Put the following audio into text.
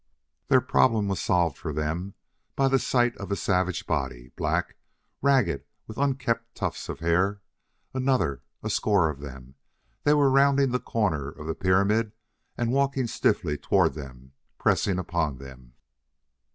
Their problem was solved for them by the sight of a savage body, black, ragged with unkempt tufts of hair another! a score of them! They were rounding the corner of the pyramid and walking stiffly toward them, pressing upon them.